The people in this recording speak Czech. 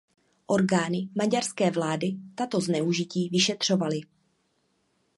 Orgány maďarské vlády tato zneužití vyšetřovaly.